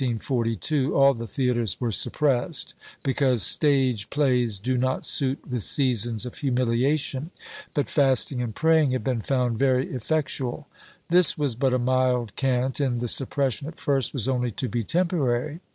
But when they became the government itself, in 1642, all the theatres were suppressed, because "stage plaies do not suit with seasons of humiliation; but fasting and praying have been found very effectual." This was but a mild cant, and the suppression, at first, was only to be temporary.